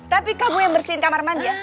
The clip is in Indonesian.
tapi kamu yang bersihin kamar mandi ya